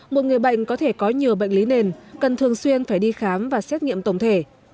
một người bệnh có thể có nhiều bệnh lý nền cần thường xuyên phải đi khám và xét nghiệm tổng thể